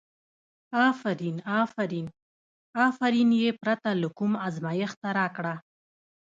افرین افرین، افرین یې پرته له کوم ازمېښته راکړه.